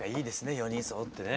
４人そろってね。